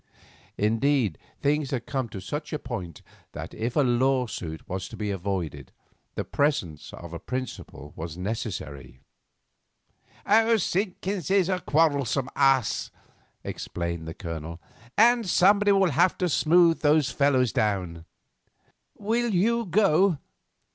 Indeed, things had come to such a point that if a lawsuit was to be avoided the presence of a principal was necessary. "Simpkins is a quarrelsome ass," explained the Colonel, "and somebody will have to smooth those fellows down. Will you go?